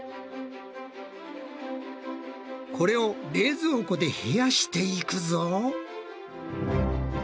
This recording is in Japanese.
これを冷蔵庫で冷やしていくぞ。